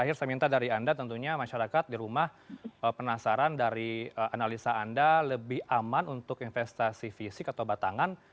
terakhir saya minta dari anda tentunya masyarakat di rumah penasaran dari analisa anda lebih aman untuk investasi fisik atau batangan